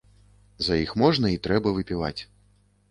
За іх можна й трэба выпіваць.